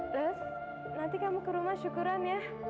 terus nanti kamu ke rumah syukuran ya